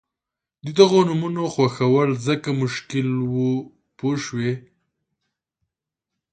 د دغو نومونو خوښول ځکه مشکل وو پوه شوې!.